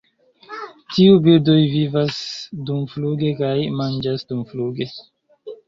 Tiuj birdoj vivas dumfluge kaj manĝas dumfluge.